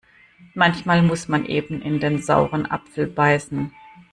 Manchmal muss man eben in den sauren Apfel beißen.